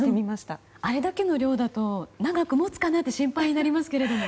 あれだけの量だと長くもつかなって心配になりますけども。